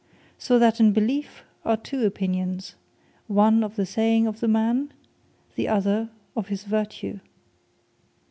So then in Beleefe are two opinions; one of the saying of the man; the other of his vertue.